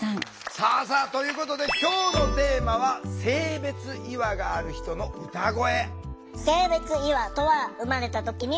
さあさあということで今日のテーマは「性別違和がある人の歌声！」。